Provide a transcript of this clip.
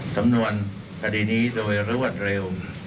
สำนวนคดีนี้โดยรวดเร็ว